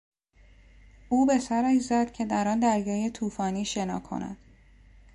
او به سرش زد که در آن دریای طوفانی شنا کند.